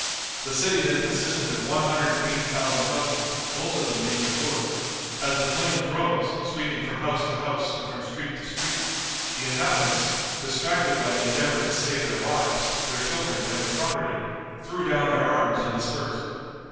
The city then consisted of one hundred and eighty thousand houses, most of them being of wood. As the flames rose, sweeping from house to house and from street to street, the inhabitants, distracted by the endeavor to save their wives, their children and their property, threw down their arms and dispersed.